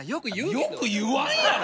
よく言わんやろ！